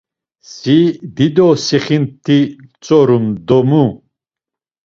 Si dido sixint̆i ntzorum do mu!